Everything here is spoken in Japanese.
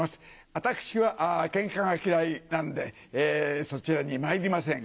私はけんかが嫌いなんで、そちらに参りません。